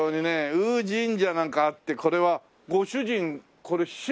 う神社なんかあってこれはご主人これ趣味ですか？